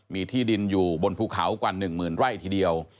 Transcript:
มีที่ดินอยู่บนภูเขากว่า๑หมื่นไร่ทีเดียว